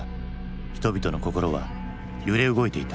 人々の心は揺れ動いていた。